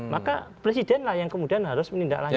maka presiden lah yang kemudian harus menindaklanjuti